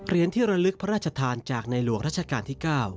เรียนที่ระลึกพระราชธานจากในหลวกราชการที่๙